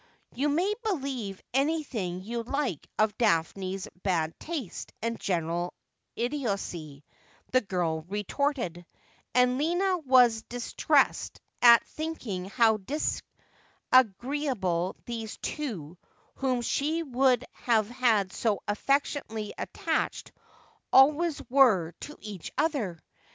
' You may believe anything you like of Daphne's bad taste and general idiocy,' the girl retorted ; and Lina was distressed at thinking how disagreeable these two, whom she would have had so afEectionately attached, always were to each other.